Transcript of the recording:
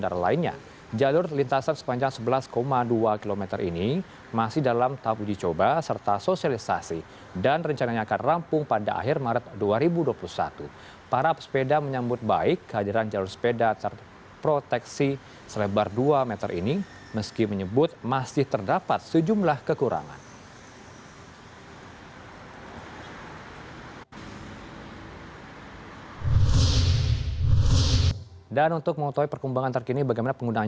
dan untuk mengutuhi perkembangan terkini bagaimana penggunaan